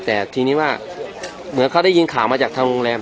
แต่ทีนี้ว่าเหมือนเขาได้ยินข่าวมาจากทางโรงแรม